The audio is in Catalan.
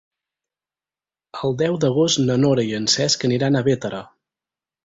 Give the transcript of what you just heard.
El deu d'agost na Nora i en Cesc aniran a Bétera.